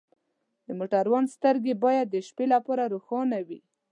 د موټروان سترګې باید د شپې لپاره روښانه وي.